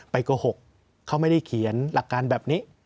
โกหกเขาไม่ได้เขียนหลักการแบบนี้